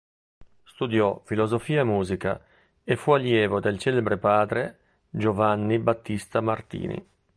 Studiò filosofia e musica e fu allievo del celebre padre Giovanni Battista Martini.